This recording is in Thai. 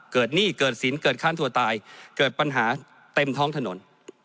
เกิดหนี้เกิดศีลเกิดขั้นตัวตายเกิดปัญหาเต็มท้องถนน